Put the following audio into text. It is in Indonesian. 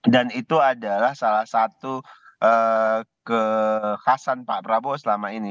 dan itu adalah salah satu kekhasan pak prabowo selama ini